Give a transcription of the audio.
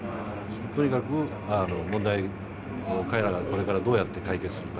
とにかく問題を彼らがこれからどうやって解決するか。